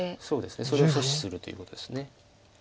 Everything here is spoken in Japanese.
そうですねそれを阻止するということです。